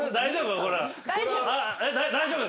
大丈夫。